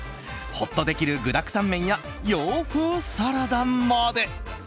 ほっとできる具だくさん麺や洋風サラダまで。